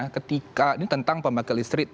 ketika ini tentang pemakai listrik